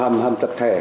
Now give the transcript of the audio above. một hầm tập thể